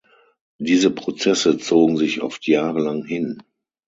Diese Prozesse zogen sich oft jahrelang hin.